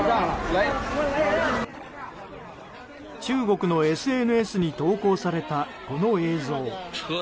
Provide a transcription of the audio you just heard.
中国のＳＮＳに投稿されたこの映像。